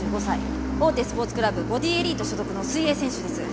大手スポーツクラブボディエリート所属の水泳選手です。